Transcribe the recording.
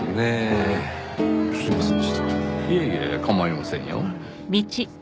いえいえ構いませんよ。